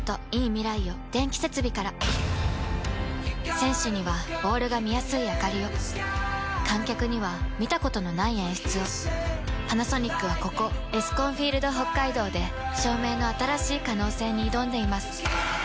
選手にはボールが見やすいあかりを観客には見たことのない演出をパナソニックはここエスコンフィールドＨＯＫＫＡＩＤＯで照明の新しい可能性に挑んでいます